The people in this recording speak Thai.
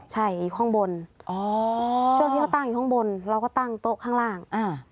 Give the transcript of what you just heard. ใช่ข้างบนช่วงที่เขาตั้งอยู่ข้างบนเราก็ตั้งโต๊ะข้างล่าง